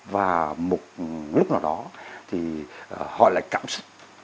và một lúc nào đó thì họ lại cảm xúc